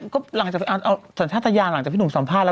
ก็หลังจากเอาสัญชาติยานหลังจากพี่หนุ่มสัมภาษณ